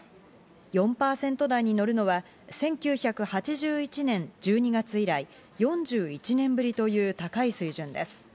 ４％台に乗るのは１９８１年１２月以来、４１年ぶりという高い水準です。